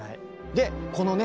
でこのね